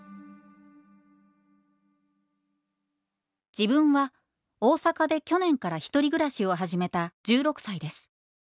「自分は大阪で去年から一人暮らしを始めた１６サイです。